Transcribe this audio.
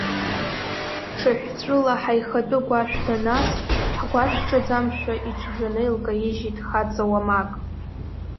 Ҽыҳәҵәыла ҳаихатәы гәашә данас, ҳгәашә ҿаӡамкәа иҿжәаны илкаижьит хаҵа уамак.